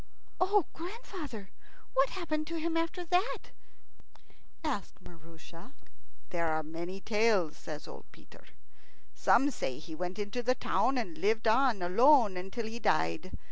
"O grandfather! And what happened to him after that?" asked Maroosia. "There are many tales," said old Peter. "Some say he went into the town, and lived on alone until he died.